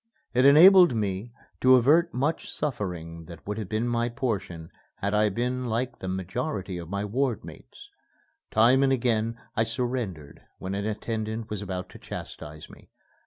It enabled me to avert much suffering that would have been my portion had I been like the majority of my ward mates. Time and again I surrendered when an attendant was about to chastise me.